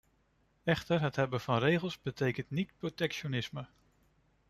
Echter, het hebben van regels betekent niet protectionisme.